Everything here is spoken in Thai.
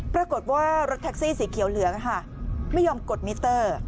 ปรากฏว่ารถแท็กซี่สีเขียวเหลืองไม่ยอมกดมิเตอร์